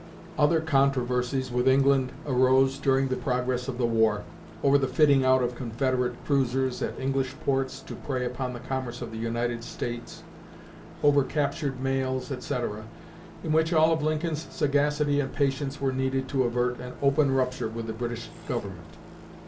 Other controversies with England arose during the progress of the war over the fitting out of Confederate cruisers at English ports to prey upon the commerce of the United States, over captured mails, etc. in which all of Lincoln's sagacity and patience were needed to avert an open rupture with the British government.